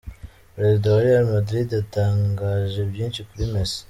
Perezida wa Real Madrid yatangaje byinshi kuri Messi.